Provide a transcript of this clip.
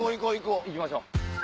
行きましょう。